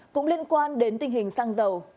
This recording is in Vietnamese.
cũng liên quan đến tình hình xăng dầu